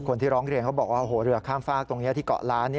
คนที่ร้องเรียนเขาบอกว่าเรือข้ามฝากตรงนี้ที่เกาะล้าน